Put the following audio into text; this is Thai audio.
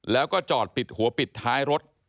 แล้วก็จอดปิดหัวปิดท้ายรถ